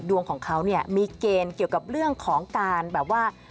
ดวงของเขาเนี่ยมีเกณฑ์เกี่ยวกับเรื่องของการแบบว่า